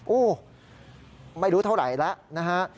โอ้โหไม่รู้เท่าไหร่แล้วนะฮะ